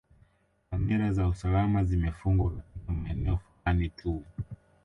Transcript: Kamera za usalama zimefungwa katika maeneo fulani tu